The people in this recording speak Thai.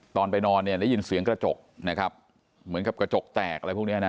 ตอนไปนอนเนี่ยได้ยินเสียงกระจกนะครับเหมือนกับกระจกแตกอะไรพวกนี้นะ